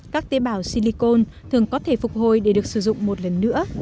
các tế bào silicon thường có thể phục hồi để được sử dụng một lần nữa